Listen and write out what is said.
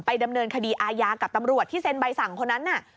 ดำเนินคดีอาญากับตำรวจที่เซ็นใบสั่งคนนั้นน่ะ